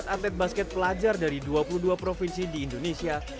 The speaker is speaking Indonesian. dua ratus tiga puluh empat atlet basket pelajar dari dua puluh dua provinsi di indonesia